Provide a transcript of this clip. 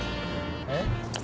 えっ？